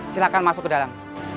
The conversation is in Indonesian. silakan masuk ke dalam